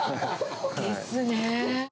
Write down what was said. ですね。